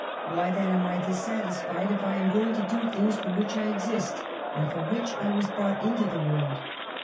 Why then am I dissatisfied if I am going to do the things for which I exist, and for which I was brought into the world